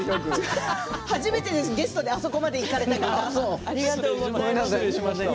初めてです、ゲストあそこまで行かれたの。